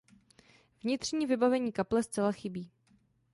Vnitřní vybavení kaple zcela chybí.